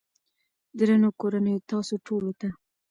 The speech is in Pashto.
درنو کورنيو تاسو ټولو ته